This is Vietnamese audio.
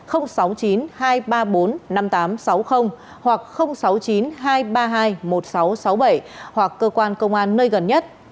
sáu mươi chín hai trăm ba mươi bốn năm nghìn tám trăm sáu mươi hoặc sáu mươi chín hai trăm ba mươi hai một nghìn sáu trăm sáu mươi bảy hoặc cơ quan công an nơi gần nhất